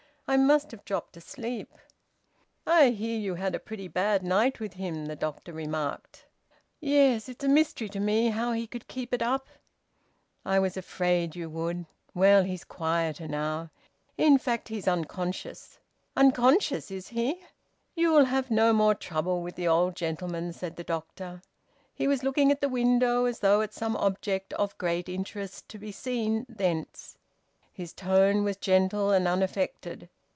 "I must have dropped asleep." "I hear you had a pretty bad night with him," the doctor remarked. "Yes. It's a mystery to me how he could keep it up." "I was afraid you would. Well, he's quieter now. In fact, he's unconscious." "Unconscious, is he?" "You'll have no more trouble with the old gentleman," said the doctor. He was looking at the window, as though at some object of great interest to be seen thence. His tone was gentle and unaffected.